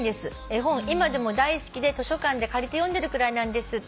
絵本今でも大好きで図書館で借りて読んでるくらいなんです」